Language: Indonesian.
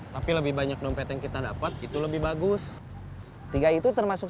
tapi lebih banyak dompet yang kita dapat itu lebih bagus tiga itu termasuk